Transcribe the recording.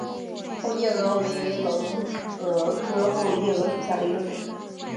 后夜蛾为隆蛾科后夜蛾属下的一个种。